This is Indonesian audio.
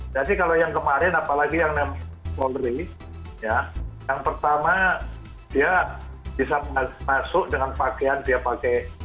jadi kalau yang kemarin apalagi yang yang yang pertama dia bisa masuk dengan pakaian dia pakai